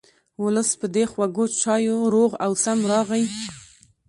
ولس په دې خوږو چایو روغ او سم راغی.